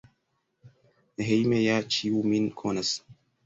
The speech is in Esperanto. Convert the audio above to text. Hejme ja ĉiu min konas.